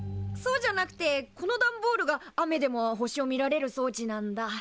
そうじゃなくてこの段ボールが雨でも星を見られる装置なんだ。